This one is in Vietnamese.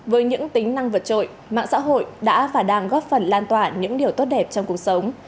với những tính năng vật trội mạng xã hội đã và đang góp phần lan tỏa những điều tốt đẹp trong cuộc sống